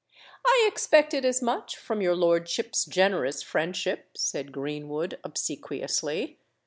"I expected as much from your lordship's generous friendship," said Greenwood, obsequiously.